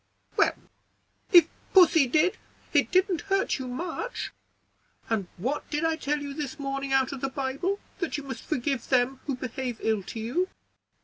"Well, if pussy did, it didn't hurt you much; and what did I tell you this morning out of the Bible? that you must forgive them who behave ill to you."